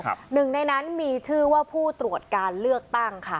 หนึ่งในนั้นมีชื่อว่าผู้ตรวจการเลือกตั้งค่ะ